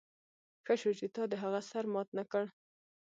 ښه شو چې تا د هغه سر مات نه کړ